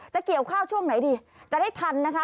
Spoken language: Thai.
เกี่ยวข้าวช่วงไหนดีจะได้ทันนะคะ